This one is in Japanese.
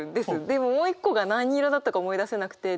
でももう一個が何色だったか思い出せなくて。